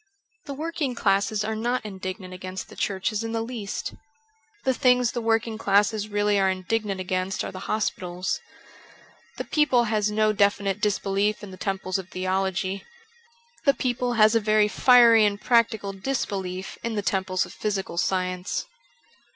The working classes are not indignant against the churches in the least. The things the working classes really are indignant against are the hospitals. The people has no de finite disbelief in the temples of theology. The people has a very fiery and practical disbelief in the temples of physical science.